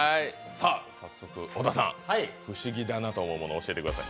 早速小田さん、不思議だなと思うものを教えてください。